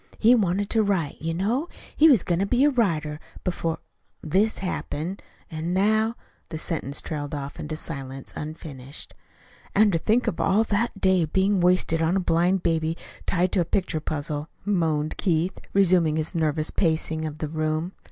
He wanted to write, you know. He was goin' to be a writer, before this happened. An' now " The sentence trailed off into the silence unfinished. "And to think of all that to day being wasted on a blind baby tied to a picture puzzle," moaned Keith, resuming his nervous pacing of the room.